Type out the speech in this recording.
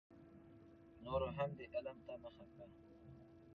نورو هم دې علم ته مخه کړه.